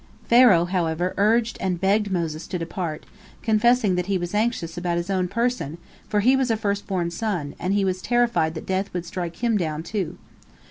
Pharaoh, however, urged and begged Moses to depart, confessing that he was anxious about his own person, for he was a first born son, and he was terrified that death would strike him down, too.